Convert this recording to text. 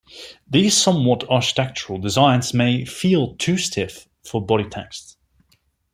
These somewhat architectural designs may feel too stiff for body text.